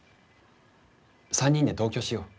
３人で同居しよう。